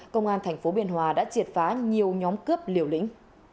công an thành phố biên hòa đã triệt phá nhiều nhóm cướp liều lĩnh